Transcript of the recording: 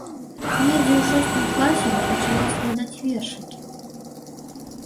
Недзе ў шостым класе я пачала складаць вершыкі.